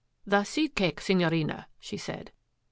" The seed cake, Signorina," she said.